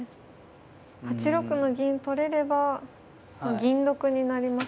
８六の銀取れれば銀得になりますので。